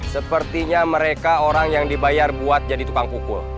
sepertinya mereka orang yang dibayar buat jadi tukang pukul